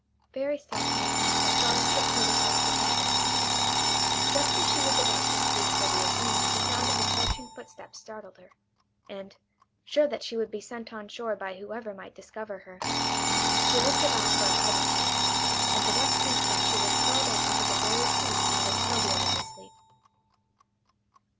Very softly Estralla tiptoed across the cabin. Just as she was about to speak Sylvia's name the sound of approaching footsteps startled her, and, sure that she would be sent on shore by whoever might discover her, she looked about for a hiding place, and the next instant she was curled up under the very seat on which Sylvia was asleep.